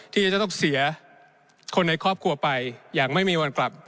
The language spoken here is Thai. ที่จะต้องเสียคนในครอบครัวไปอย่างไม่มีวันกลับ